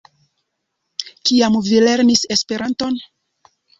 Kiam vi lernis Esperanton?